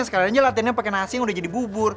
sekarang aja latihannya pakai nasi yang udah jadi bubur